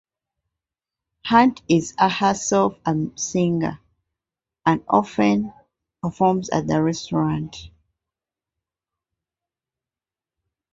Hunt is herself a singer, and often performs at the restaurant.